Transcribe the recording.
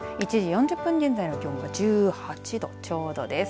１時４０分現在の気温は１８度ちょうどです。